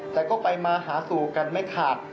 แต่ก็ไปมาหาสู่กันไม่ขาด